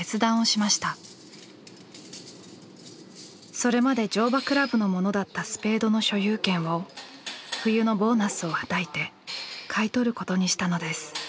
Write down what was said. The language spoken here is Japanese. それまで乗馬倶楽部のものだったスペードの所有権を冬のボーナスをはたいて買い取ることにしたのです。